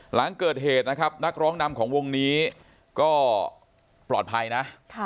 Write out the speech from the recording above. หลังเกิดเหตุนะครับนักร้องนำของวงนี้ก็ปลอดภัยนะ